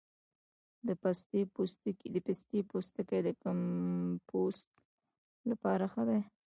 د پستې پوستکی د کمپوسټ لپاره ښه دی؟